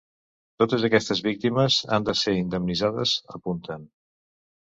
Totes aquestes víctimes han de ser indemnitzades, apunten.